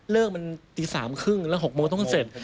มันตี๓๓๐แล้ว๖โมงต้องเสร็จ